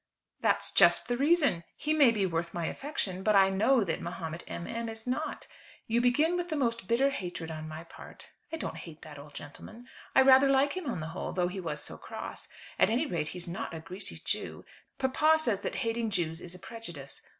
"That's just the reason. He may be worth my affection, but I know that that Mahomet M. M. is not. You begin with the most bitter hatred on my part. I don't hate that old gentleman. I rather like him on the whole, though he was so cross. At any rate he's not a greasy Jew. Papa says that hating Jews is a prejudice.